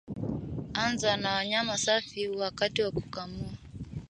Anza na wanyama safi wakati wa kukamua